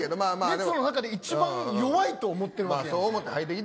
列の中で一番弱いと思ってるわけで。